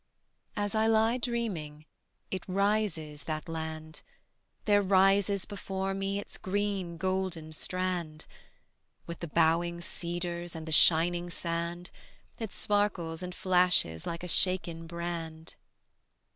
As I lie dreaming It rises, that land; There rises before me Its green golden strand, With the bowing cedars And the shining sand; It sparkles and flashes Like a shaken brand.